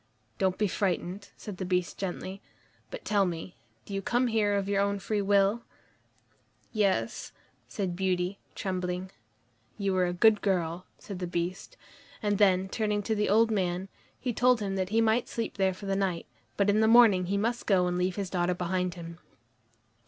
"Don't be frightened," said the Beast gently, "but tell me, do you come here of your own free will?" "Yes," said Beauty, trembling. "You are a good girl," said the Beast, and then, turning to the old man, he told him that he might sleep there for that night, but in the morning he must go and leave his daughter behind him.